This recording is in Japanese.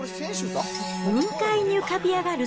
雲海に浮かび上がる